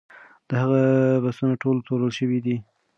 دغه بستونه ټول پلورل شوي دي.